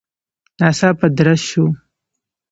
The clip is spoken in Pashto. ناڅاپه درز شو.